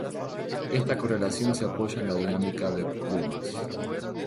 Esta correlación se apoya en la dinámica de plumas.